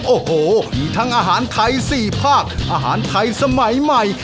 โอ้โหมีทั้งอาหารไทย๔ภาคอาหารไทยสมัยใหม่